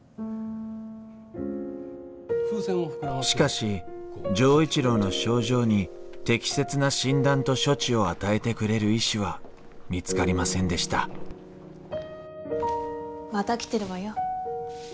しかし錠一郎の症状に適切な診断と処置を与えてくれる医師は見つかりませんでしたまた来てるわよ。